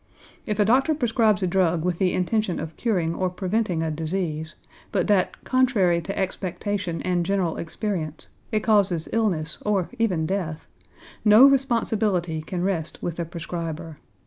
If a doctor prescribes a drug with the intention of curing or preventing a disease, but that, contrary to expectation and general experience, it causes illness or even death, no responsibility can rest with the prescriber.